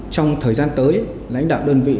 trong thời gian tới lãnh đạo đơn vị